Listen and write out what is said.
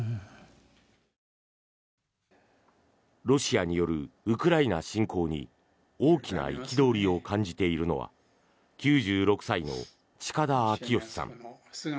ロシアによるウクライナ侵攻に大きな憤りを感じているのは９６歳の近田明良さん。